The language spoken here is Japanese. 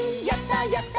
「やった！